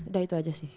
udah itu aja sih